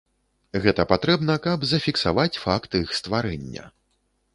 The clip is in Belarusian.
Гэта патрэбна, каб зафіксаваць факт іх стварэння.